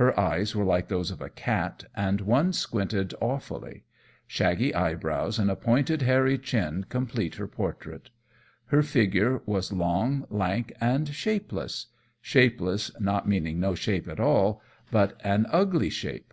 Her eyes were like those of a cat, and one squinted awfully. Shaggy eyebrows and a pointed hairy chin complete her portrait. Her figure was long, lank, and shapeless shapeless not meaning no shape at all, but an ugly shape.